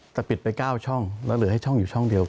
แต่ปิดไป๙ช่องแล้วเหลือให้ช่องอยู่ช่องเดียว